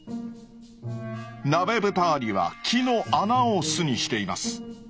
ナベブタアリは木の穴を巣にしています。